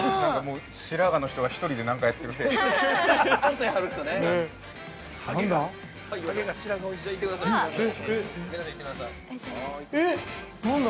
◆白髪の人が１人で何かやってる◆何だ？